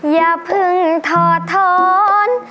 อย่าเพิ่งถอดท้อน